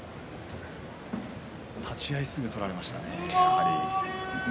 立ち合いすぐ取られましたね。